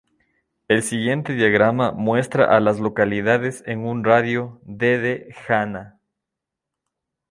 El siguiente diagrama muestra a las localidades en un radio de de Hanna.